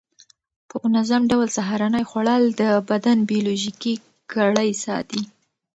په منظم ډول سهارنۍ خوړل د بدن بیولوژیکي ګړۍ ساتي.